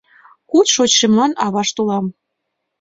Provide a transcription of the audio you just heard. Куд шочшемлан авашт улам